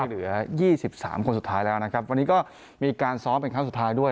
เหลือ๒๓คนสุดท้ายแล้ววันนี้ก็มีการซ้อมเป็นครั้งสุดท้ายด้วย